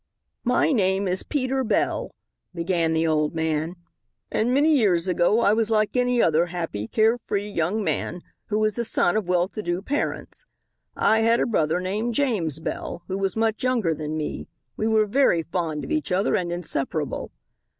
"My name is Peter Bell," began the old man, "and many years ago I was like any other happy, care free young man, who is the son of well to do parents. I had a brother named James Bell, who was much younger than me. We were very fond of each other and inseparable.